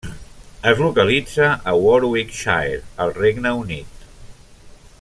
Es localitza a Warwickshire al Regne Unit.